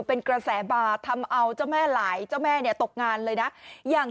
เป็นกระแสบาทำเอาเจ้าแม่หลายเจ้าแม่เนี่ยตกงานเลยนะอย่าง